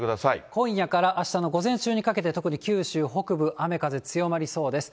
今夜からあしたの午前中にかけて、特に九州北部、雨、風強まりそうです。